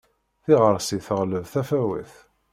Tiɣɣersi teɣleb tafawet.